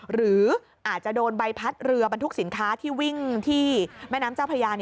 หรืออาจจะโดนใบพัดเรือบรรทุกสินค้าที่วิ่งที่แม่น้ำเจ้าพญา